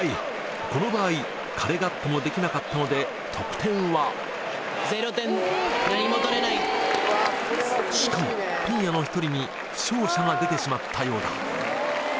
この場合カレガットもできなかったので得点はしかもピンヤの１人に負傷者が出てしまったようだ